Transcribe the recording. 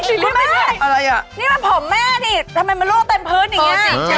หลีกเลี่ยงไม่ได้นี่มันผมแม่นี่ทำไมมันโลกเต็มพื้นอย่างนี้